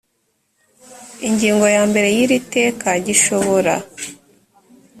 ingingo ya mbere y iri teka gishobora